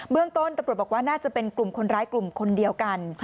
เรื่องต้นตำรวจบอกว่าน่าจะเป็นกลุ่มคนร้ายกลุ่มคนเดียวกัน